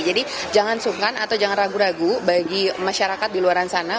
jadi jangan sungkan atau jangan ragu ragu bagi masyarakat di luar sana